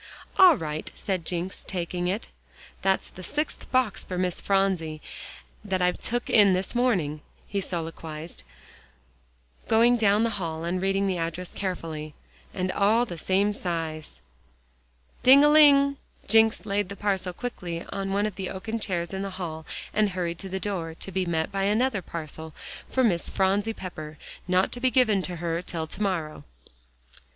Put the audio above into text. "All right," said Jencks, taking it. "That's the sixth box for Miss Phronsie that I've took in this morning," he soliloquized, going down the hall and reading the address carefully. "And all the same size." "Ding a ling," Jencks laid the parcel quickly on one of the oaken chairs in the hall, and hurried to the door, to be met by another parcel for "Miss Phronsie Pepper: not to be given to her till to morrow."